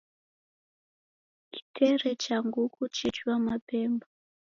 Kitere cha nguku chechua mabemba.